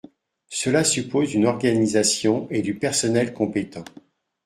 Cela suppose une organisation et du personnel compétent.